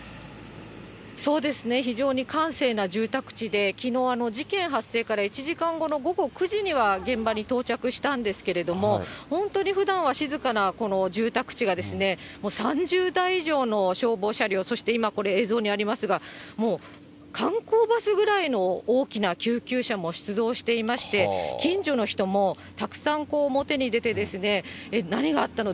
そうですね、非常に閑静な住宅地で、きのう、事件発生から１時間後の午後９時には、現場に到着したんですけれども、本当にふだんは静かなこの住宅地が、もう３０台以上の消防車両、そして今、これ映像にありますが、もう観光バスぐらいの大きな救急車も出動していまして、近所の人もたくさん表に出て、何があったの？